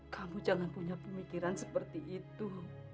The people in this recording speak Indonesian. kamu jangan punya pemikiran seperti itu